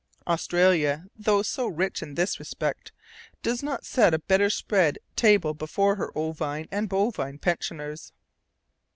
Australia, though so rich in this respect, does not set a better spread table before her ovine and bovine pensioners.